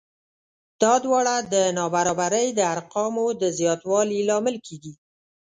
دا دواړه د نابرابرۍ د ارقامو د زیاتوالي لامل کېږي